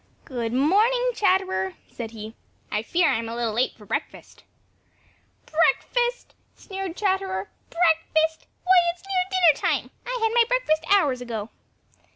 "Good morning, Chatterer," said he. "I fear I am a little late for breakfast." "Breakfast!" sneered Chatterer, "Breakfast! Why, it's nearer dinner time. I had my breakfast hours ago."